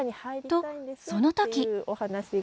とその時！